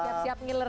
siap siap ngiler ya